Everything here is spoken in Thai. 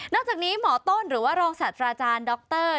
นอกจากนี้หมอโต้นหรือว่ารองศัตรูอาจารย์ด็อกเตอร์